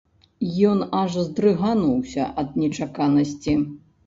Ён аж здрыгануўся ад нечаканасці.